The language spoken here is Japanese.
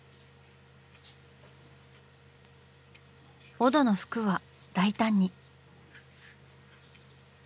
オドの服は大胆に。